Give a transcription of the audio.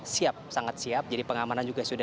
siap sangat siap jadi pengamanan juga sudah